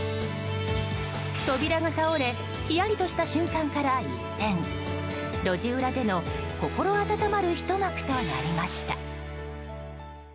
扉が倒れひやりとした瞬間から一転路地裏での心温まるひと幕となりました。